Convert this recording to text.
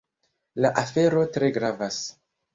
La afero tre gravas.